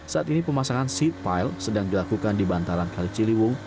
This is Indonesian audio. saat ini pemasangan seat pile sedang dilakukan di bantaran kali ciliwung